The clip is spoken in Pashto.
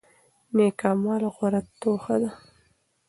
نیک اعمال غوره توښه ده.